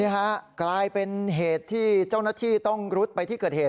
กลายเป็นเหตุที่เจ้าหน้าที่ต้องรุดไปที่เกิดเหตุ